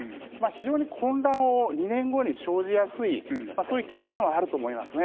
非常に混乱を２年後に生じやすい、そういう欠点はあると思いますね。